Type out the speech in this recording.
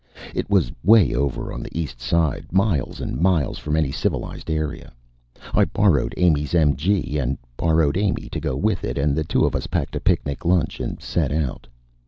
It was way over on the East Side, miles and miles from any civilized area. I borrowed Amy's MG, and borrowed Amy to go with it, and the two of us packed a picnic lunch and set out.